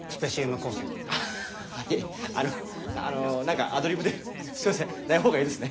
あのあの何かアドリブですいませんない方がええですね。